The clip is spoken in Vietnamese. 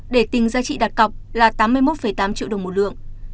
để tính giá trị đặt cọc là tám mươi một tám triệu đồng một lượng